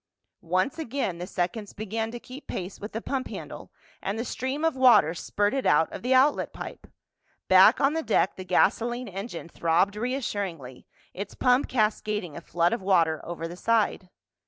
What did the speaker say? Once again the seconds began to keep pace with the pump handle and the stream of water spurted out of the outlet pipe. Back on the deck the gasoline engine throbbed reassuringly, its pump cascading a flood of water over the side.